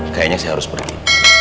kayanya saya harus pergi